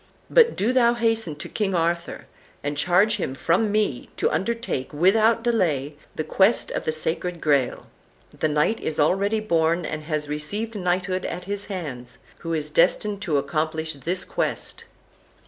But do thou hasten to King Arthur, and charge him from me to undertake, without delay, the quest of the Sacred Graal. The knight is already born, and has received knighthood at his hands, who is destined to accomplish this quest."